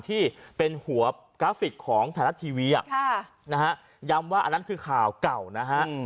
ที่เป็นหัวกราฟฟิกของธนัดทีวีคะนะคะย้ำว่าอันนั้นคือข่าวเก่านะคะ